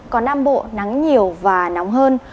còn nam bộ nắng nhiều và nóng hơn